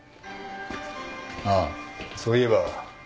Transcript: ああそういえば。